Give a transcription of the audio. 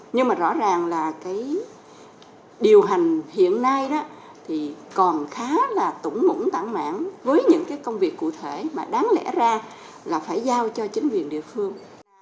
nhưng mà rõ ràng là điều hành hiện nay còn khá là tủng mũng tảng mảng với những công việc cụ thể mà đáng lẽ ra là phải giao cho chính quyền địa phương